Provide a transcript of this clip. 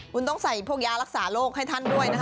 คุณต้องใส่พวกยารักษาโรคให้ท่านด้วยนะคะ